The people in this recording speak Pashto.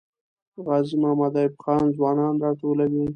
غازي محمد ایوب خان ځوانان راټولوي.